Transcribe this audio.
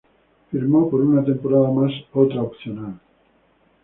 Firmó por una temporada más otra opcional.